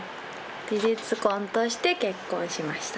事実婚として結婚しました。